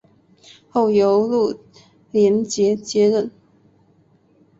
后由陆联捷接任。